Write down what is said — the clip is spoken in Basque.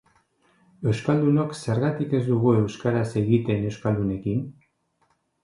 Euskaldunok zergatik ez dugu euskaraz egiten euskaldunekin?